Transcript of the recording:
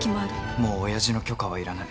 もう親父の許可はいらない。